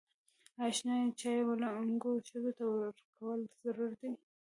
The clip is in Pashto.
ایا شنې چايي و لنګو ښځو ته ورکول ضرر لري؟